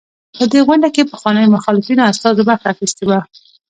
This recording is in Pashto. په دې غونډه کې پخوانيو مخالفینو استازو برخه اخیستې وه.